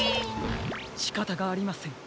しかたがありません。